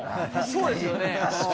そうですよね。